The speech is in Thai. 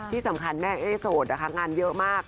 ที่สำคัญแม่เอ๊โสดนะคะงานเยอะมาก